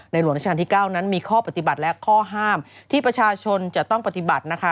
หลวงราชการที่๙นั้นมีข้อปฏิบัติและข้อห้ามที่ประชาชนจะต้องปฏิบัตินะคะ